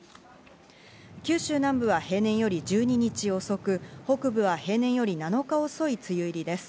九州南部は平年より１２日遅く、北部は平年より７日遅い梅雨入りです。